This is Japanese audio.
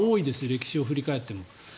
歴史を振り返っても。